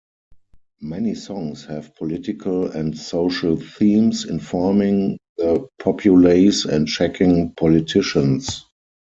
Many songs have political and social themes, informing the populace and checking politicians.